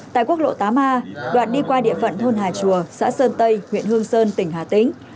tại quốc lộ tám a đoạn đi qua địa phận thôn hà chùa xã sơn tây huyện hương sơn tỉnh hà tĩnh